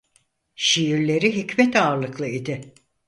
Şiirleri hikmet ağırlıklı idi.